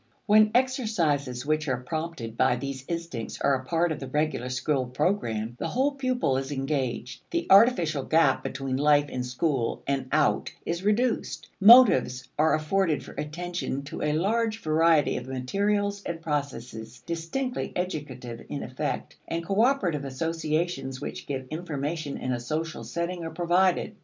When exercises which are prompted by these instincts are a part of the regular school program, the whole pupil is engaged, the artificial gap between life in school and out is reduced, motives are afforded for attention to a large variety of materials and processes distinctly educative in effect, and cooperative associations which give information in a social setting are provided.